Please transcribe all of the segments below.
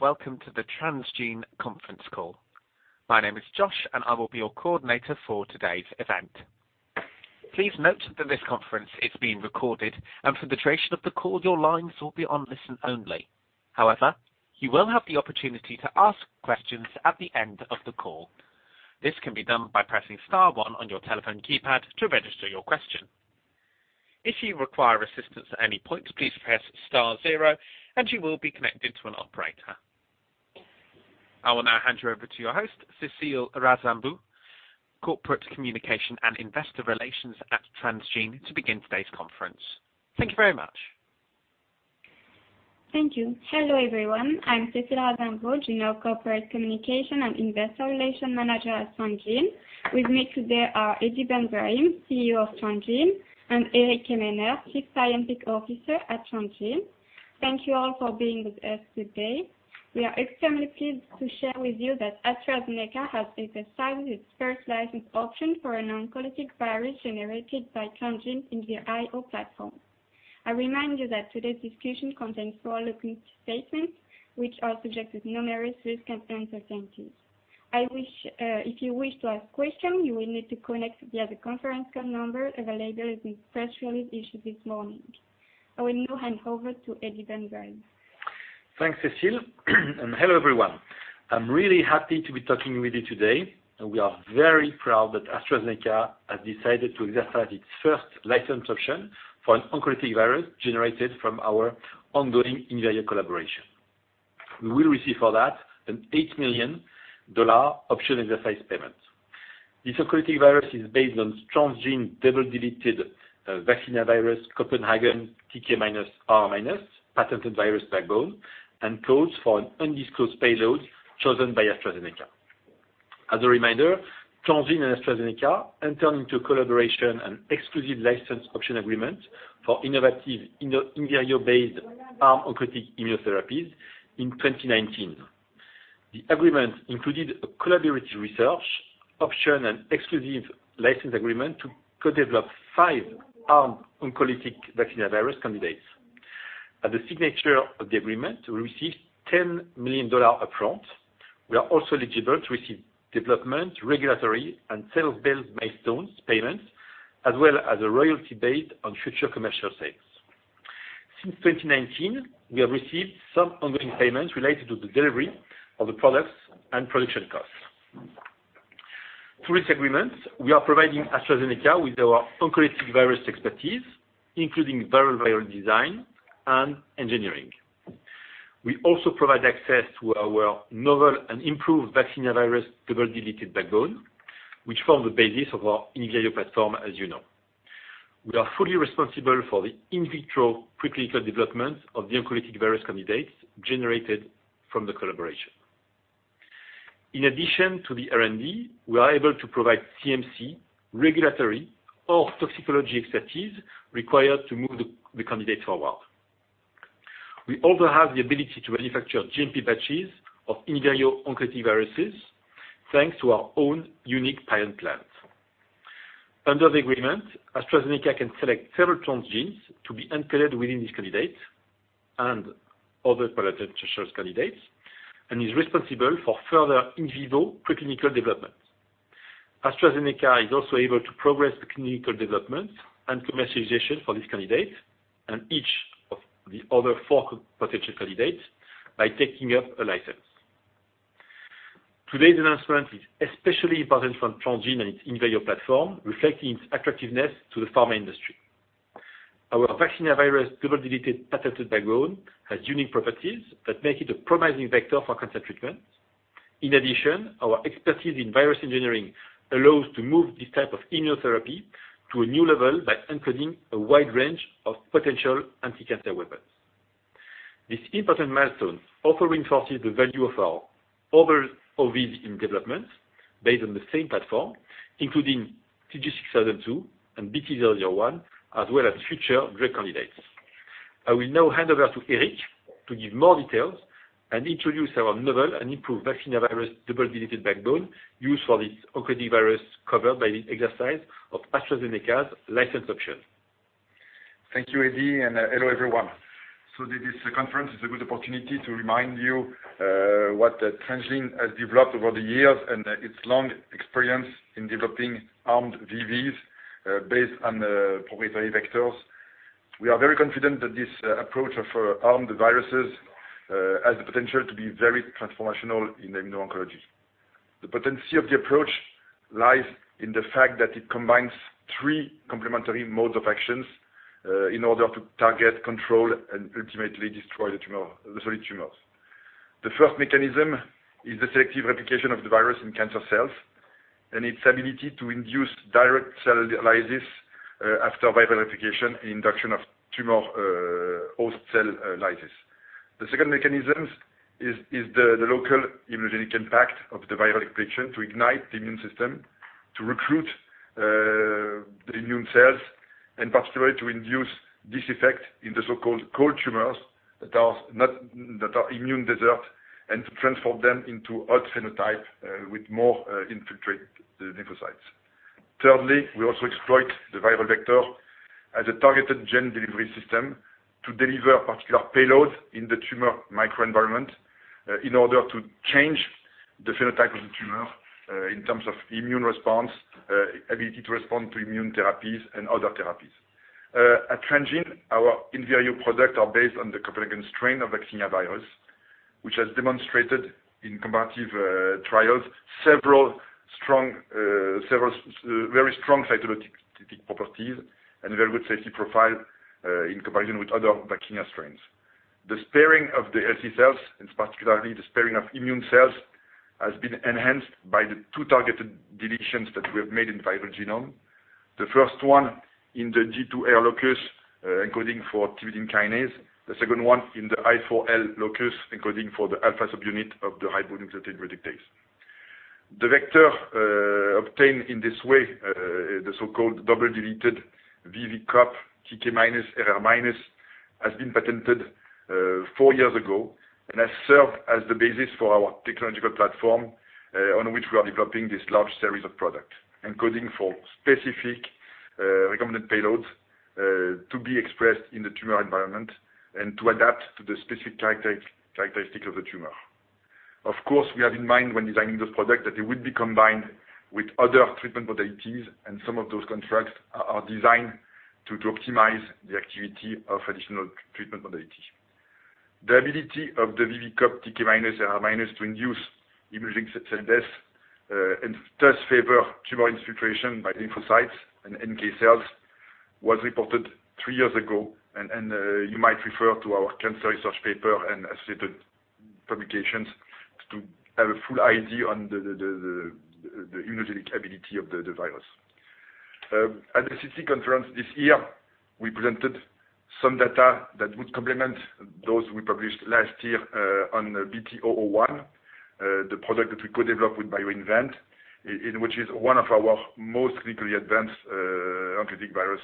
Welcome to the Transgene Conference Call. My name is Josh, and I will be your coordinator for today's event. Please note that this conference is being recorded, and for the duration of the call, your lines will be on listen-only. However, you will have the opportunity to ask questions at the end of the call. This can be done by pressing star one on your telephone keypad to register your question. If you require assistance at any point, please press star zero, and you will be connected to an operator. I will now hand you over to your host, Cecile Razambou, Corporate Communication and Investor Relations at Transgene, to begin today's conference. Thank you very much. Thank you. Hello, everyone. I'm Cecile Razambou, Corporate Communication and Investor Relations Manager at Transgene. With me today are Hedi Ben Brahim, CEO of Transgene, and Eric Quéméneur, Chief Scientific Officer at Transgene. Thank you all for being with us today. We are extremely pleased to share with you that AstraZeneca has exercised its first license option for an oncolytic virus generated by Transgene in the Invir.IO platform. I remind you that today's discussion contains forward-looking statements, which are subject to numerous risks and uncertainties. If you wish to ask questions, you will need to connect via the conference call number available in the press release issued this morning. I will now hand over to Hedi Ben Brahim. Thanks, Cecile. Hello, everyone. I'm really happy to be talking with you today, and we are very proud that AstraZeneca has decided to exercise its first license option for an oncolytic virus generated from our ongoing Invir.IO collaboration. We will receive for that an $8 million option exercise payment. This oncolytic virus is based on Transgene double-deleted vaccinia virus, Copenhagen TK⁻/RR⁻ patented virus backbone, and codes for an undisclosed payload chosen by AstraZeneca. As a reminder, Transgene and AstraZeneca entered into a collaboration and an exclusive license option agreement for innovative Invir.IO-based armed oncolytic immunotherapies in 2019. The agreement included a collaborative research option and an exclusive license agreement to co-develop five-armed oncolytic vaccinia virus candidates. At the signature of the agreement, we received $10 million upfront. We are also eligible to receive development, regulatory, and sales-based milestones payments, as well as a royalty based on future commercial sales. Since 2019, we have received some ongoing payments related to the delivery of the products and production costs. Through this agreement, we are providing AstraZeneca with our oncolytic virus expertise, including viral design and engineering. We also provide access to our novel and improved vaccinia virus double-deleted backbone, which forms the basis of our Invir.IO platform, as you know. We are fully responsible for the in vitro preclinical development of the oncolytic virus candidates generated from the collaboration. In addition to the R&D, we are able to provide CMC regulatory or toxicology expertise required to move the candidate forward. We also have the ability to manufacture GMP batches of Invir.IO oncolytic viruses, thanks to our own unique pilot plant. Under the agreement, AstraZeneca can select several transgenes to be included within this candidate and other potential candidates, and is responsible for further in vivo preclinical development. AstraZeneca is also able to progress the clinical development and commercialization for this candidate and each of the other four potential candidates by taking up a license. Today's announcement is especially important for Transgene and its Invir.IO platform, reflecting its attractiveness to the pharma industry. Our vaccinia virus double-deleted patented backbone has unique properties that make it a promising vector for cancer treatment. In addition, our expertise in virus engineering allows to move this type of immunotherapy to a new level by encoding a wide range of potential anticancer weapons. This important milestone also reinforces the value of our other OVs in development based on the same platform, including TG6002 and BT-001, as well as future drug candidates. I will now hand over to Eric to give more details and introduce our novel and improved vaccinia virus double-deleted backbone used for this oncolytic virus covered by the exercise of AstraZeneca's license option. Thank you, Hedi, and hello, everyone. This conference is a good opportunity to remind you what Transgene has developed over the years and its long experience in developing armed VVs based on the proprietary vectors. We are very confident that this approach of armed viruses has the potential to be very transformational in immuno-oncology. The potency of the approach lies in the fact that it combines three complementary modes of actions in order to target, control, and ultimately destroy the tumor, the solid tumors. The first mechanism is the selective replication of the virus in cancer cells and its ability to induce direct cell lysis after viral replication and induction of tumor host cell lysis. The second mechanism is the local immunogenic impact of the viral infection to ignite the immune system to recruit the immune cells, and particularly to induce this effect in the so-called cold tumors that are immune desert, and to transform them into hot phenotype with more infiltration of the lymphocytes. Thirdly, we also exploit the viral vector as a targeted gene delivery system to deliver particular payloads in the tumor microenvironment in order to change the phenotype of the tumor in terms of immune response ability to respond to immune therapies and other therapies. At Transgene, our Invir.IO products are based on the Copenhagen strain of vaccinia virus, which has demonstrated in comparative trials several very strong cytolytic properties and very good safety profile in comparison with other vaccinia strains. The sparing of the healthy cells, and particularly the sparing of immune cells, has been enhanced by the two targeted deletions that we have made in viral genome. The first one in the J2R locus, encoding for thymidine kinase. The second one in the I4L locus, encoding for the alpha subunit of the ribonucleotide reductase. The vector obtained in this way, the so-called double-deleted VV-COP TK⁻/RR⁻, has been patented four years ago and has served as the basis for our technological platform, on which we are developing this large series of products, encoding for specific recombinant payloads, to be expressed in the tumor environment and to adapt to the specific characteristics of the tumor. Of course, we have in mind when designing those products that they will be combined with other treatment modalities, and some of those contracts are designed to optimize the activity of additional treatment modality. The ability of the VV-COP TK⁻/RR⁻ to induce immunogenic cell death and thus favor tumor infiltration by lymphocytes and NK cells was reported three years ago. You might refer to our Cancer Research paper and associated publications to have a full idea on the immunogenic ability of the virus. At the SITC Conference this year, we presented some data that would complement those we published last year on BT001, the product that we co-developed with BioInvent, in which is one of our most clinically advanced oncolytic virus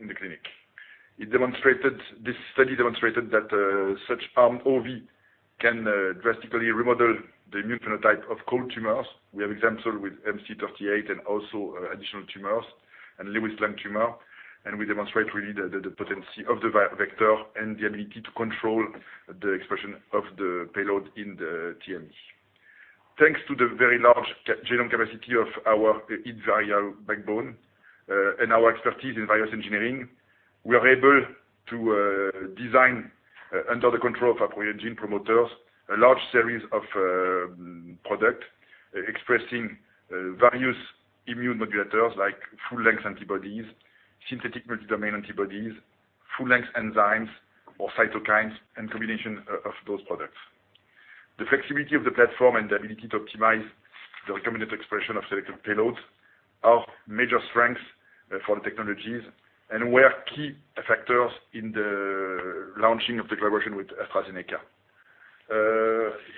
in the clinic. This study demonstrated that such armed OV can drastically remodel the immune phenotype of cold tumors. We have example with MC38 and also additional tumors and Lewis lung tumor, and we demonstrate really the potency of the vector and the ability to control the expression of the payload in the TME. Thanks to the very large genome capacity of our Invir.IO backbone and our expertise in virus engineering, we are able to design under the control of our gene promoters a large series of products expressing various immune modulators like full-length antibodies, synthetic multi-domain antibodies, full-length enzymes or cytokines, and combinations of those products. The flexibility of the platform and the ability to optimize the recombinant expression of selected payloads are major strengths for the technologies and were key factors in the launching of the collaboration with AstraZeneca.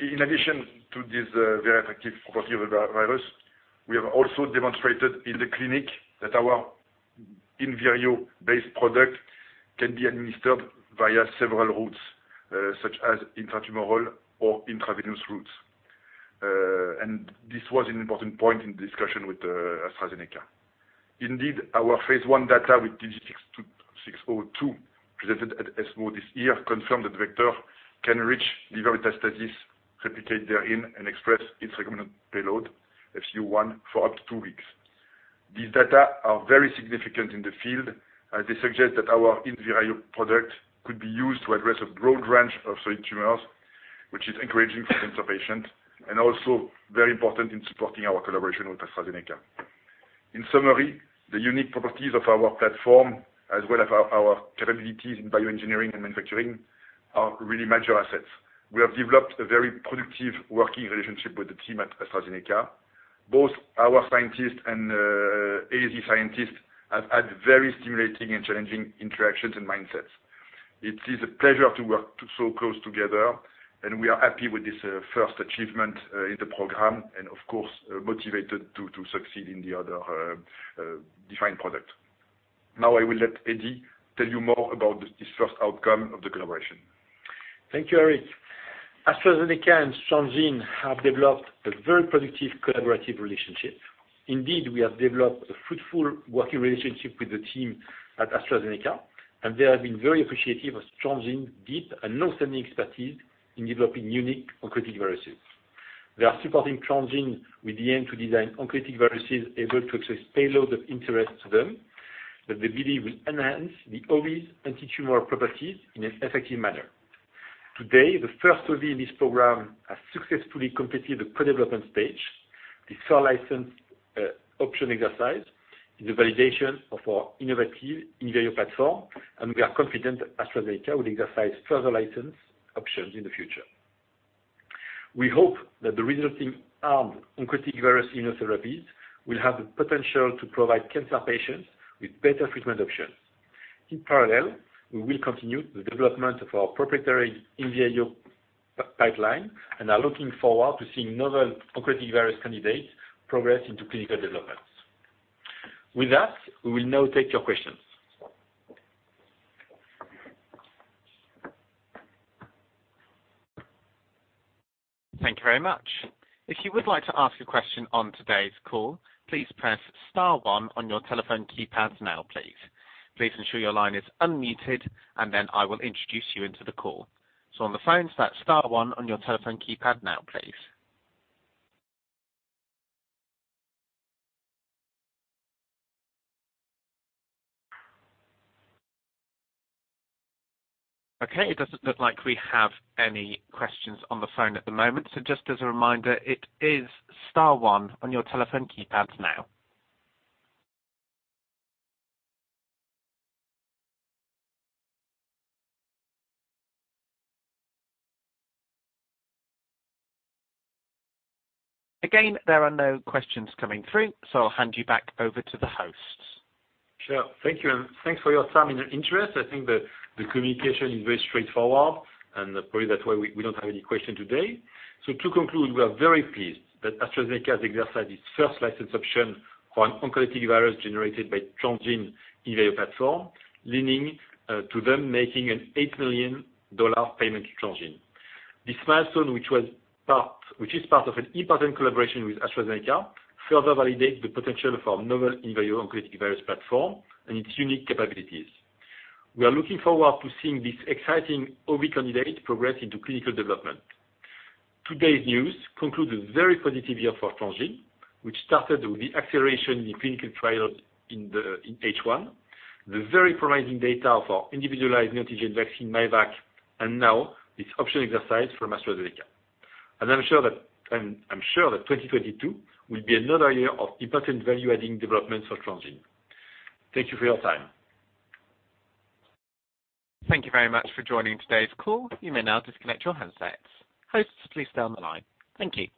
In addition to this, very attractive property of the virus, we have also demonstrated in the clinic that our Invir.IO-based product can be administered via several routes, such as intratumoral or intravenous routes. This was an important point in the discussion with AstraZeneca. Indeed, our phase I data with TG6002 presented at ESMO this year confirmed that vector can reach liver metastasis, replicate therein, and express its recombinant payload, FCU1, for up to weeks. These data are very significant in the field, as they suggest that our Invir.IO product could be used to address a broad range of solid tumors, which is encouraging for cancer patients, and also very important in supporting our collaboration with AstraZeneca. In summary, the unique properties of our platform, as well as our capabilities in bioengineering and manufacturing, are really major assets. We have developed a very productive working relationship with the team at AstraZeneca. Both our scientists and AstraZeneca scientists have had very stimulating and challenging interactions and mindsets. It is a pleasure to work so close together, and we are happy with this first achievement in the program, and of course, motivated to succeed in the other defined product. Now I will let Hedi tell you more about this first outcome of the collaboration. Thank you, Eric. AstraZeneca and Transgene have developed a very productive collaborative relationship. Indeed, we have developed a fruitful working relationship with the team at AstraZeneca, and they have been very appreciative of Transgene's deep and long-standing expertise in developing unique oncolytic viruses. They are supporting Transgene with the aim to design oncolytic viruses able to express payload of interest to them that they believe will enhance the OVs' antitumor properties in an effective manner. Today, the first OV in this program has successfully completed the pre-development stage. This far-licensed option exercise is a validation of our innovative Invir.IO platform, and we are confident AstraZeneca will exercise further license options in the future. We hope that the resulting armed oncolytic virus immunotherapies will have the potential to provide cancer patients with better treatment options. In parallel, we will continue the development of our proprietary Invir.IO pipeline and are looking forward to seeing novel oncolytic virus candidates progress into clinical development. With that, we will now take your questions. Thank you very much. If you would like to ask a question on today's call, please press star one on your telephone keypads now, please. Please ensure your line is unmuted and then I will introduce you into the call. On the phone, that's star one on your telephone keypad now, please. Okay, it doesn't look like we have any questions on the phone at the moment. Just as a reminder, it is star one on your telephone keypads now. Again, there are no questions coming through, so I'll hand you back over to the host. Sure. Thank you. Thanks for your time and your interest. I think the communication is very straightforward, and probably that's why we don't have any questions today. To conclude, we are very pleased that AstraZeneca has exercised its first license option for an oncolytic virus generated by Transgene Invir.IO platform, leading to them making an $8 million payment to Transgene. This milestone, which is part of an important collaboration with AstraZeneca, further validates the potential of our novel Invir.IO oncolytic virus platform and its unique capabilities. We are looking forward to seeing this exciting OV candidate progress into clinical development. Today's news concludes a very positive year for Transgene, which started with the acceleration in clinical trials in H1, the very promising data for individualized antigen vaccine Myvac, and now this option exercise from AstraZeneca. I'm sure that 2022 will be another year of important value-adding developments for Transgene. Thank you for your time. Thank you very much for joining today's call. You may now disconnect your handsets. Hosts, please stay on the line. Thank you.